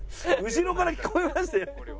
後ろから聞こえましたよ。